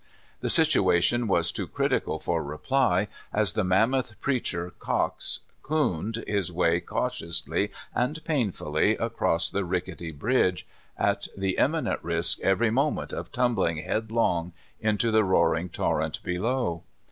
The situation was too critical for reply., as the mammoth preacher Cox " cooned " his way cautiously and painfully across the rickety bridge, at the imminent risk every moment of tumbling headlonoj into the roaring torrent below.